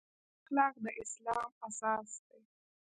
ښه اخلاق د اسلام اساس دی.